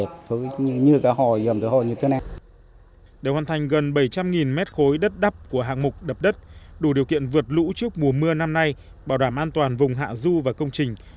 các mục đích của hồ chứa đều được đặt vào hạng mục đập đất đủ điều kiện vượt lũ trước mùa mưa năm nay bảo đảm an toàn vùng hạ du và công trình